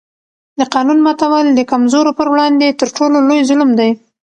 د قانون ماتول د کمزورو پر وړاندې تر ټولو لوی ظلم دی